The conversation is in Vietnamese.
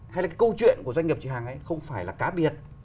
hay là cái câu chuyện của doanh nghiệp chị hằng ấy không phải là cá biệt